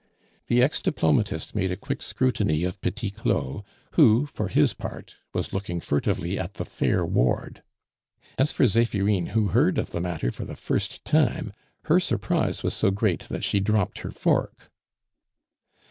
The ex diplomatist made a quick scrutiny of Petit Claud, who, for his part, was looking furtively at the "fair ward." As for Zephirine, who heard of the matter for the first time, her surprise was so great that she dropped her fork.